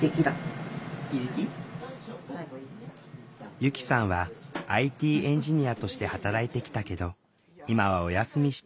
由希さんはＩＴエンジニアとして働いてきたけど今はお休みして高齢の母を手伝っている。